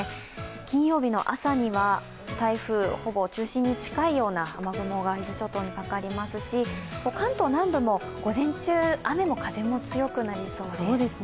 金曜日の朝には台風ほぼ中心に近いような雨雲が伊豆諸島にかかりますし、関東南部も午前中、雨も風も強くなりそうです。